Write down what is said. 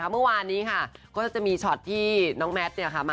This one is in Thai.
เมื่อวานนี้ค่ะก็จะมีช็อตที่น้องแมท